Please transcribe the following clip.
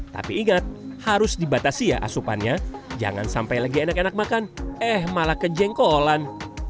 tapi ingat harus dibatasi ya asupannya jangan sampai lagi enak enak makan eh malah kejengkolan